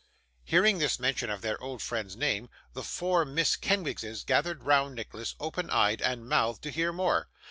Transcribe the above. Hearing this mention of their old friend's name, the four Miss Kenwigses gathered round Nicholas, open eyed and mouthed, to hear more.